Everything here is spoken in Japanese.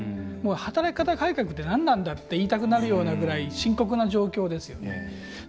働き方改革ってなんなんだって言いたくなるようなぐらい深刻な状況ですよね。